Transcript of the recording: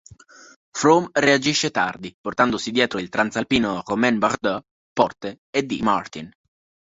Froome reagisce tardi, portandosi dietro il transalpino Romain Bardet, Porte e D. Martin.